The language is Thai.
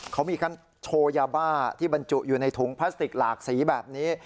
เขามีการโชว์ยาบ้าที่บรรจุอยู่ในถุงพลาสติกหลากสีแบบนี้